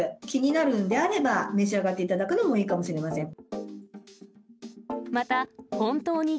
気になるんであれば、召し上がっていただくのもいいかもしれませ